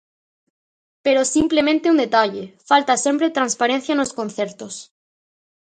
Pero simplemente un detalle: falta sempre transparencia nos concertos.